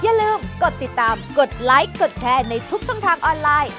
อย่าลืมกดติดตามกดไลค์กดแชร์ในทุกช่องทางออนไลน์